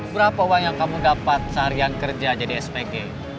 berapa uang yang kamu dapat seharian kerja jadi spg